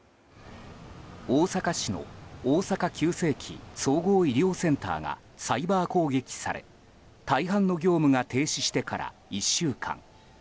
大阪市の大阪急性期・総合医療センターがサイバー攻撃され大半の業務が停止してから１週間。